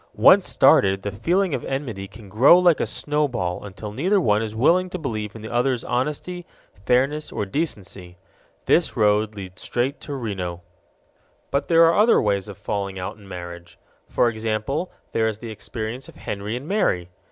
Once started, the feeling of enmity can grow like a snowball until neither one is willing to believe in the other's honesty, fairness, or decency. This road leads straight to Reno. But there are many other ways of falling out in marriage. For example, there is the experience of Henry and Mary.